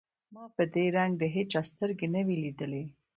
ما په دې رنگ د هېچا سترګې نه وې ليدلې.